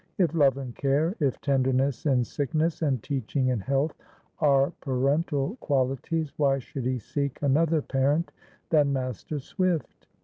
If love and care, if tenderness in sickness and teaching in health, are parental qualities, why should he seek another parent than Master Swift?